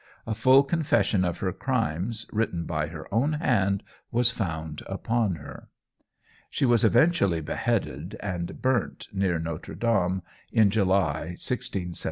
A full confession of her crimes, written by her own hand, was found upon her. She was eventually beheaded, and burnt near Notre Dame in July, 1676. St.